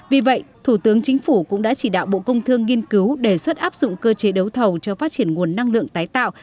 vì vậy thủ tướng chính phủ cũng đã chỉ đạo bộ công thương nghiên cứu đề xuất áp dụng cơ chế đấu thầu cho phát triển nguồn năng lượng tái tạo